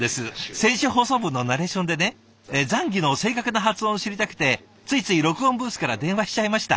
先週放送分のナレーションでね「ザンギ」の正確な発音を知りたくてついつい録音ブースから電話しちゃいました。